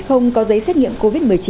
không có giấy xét nghiệm covid một mươi chín